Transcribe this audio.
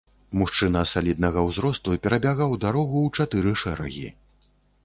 Мужчына саліднага ўзросту перабягаў дарогу ў чатыры шэрагі.